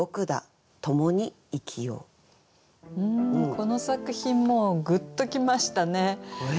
この作品もうグッと来ましたね。